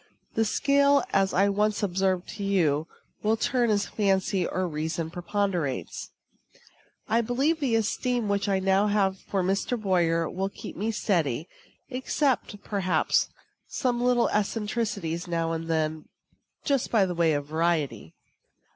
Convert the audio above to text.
The scale, as I once observed to you, will turn as fancy or reason preponderates. I believe the esteem which I now have for Mr. Boyer will keep me steady; except, perhaps, some little eccentricities now and then, just by way of variety.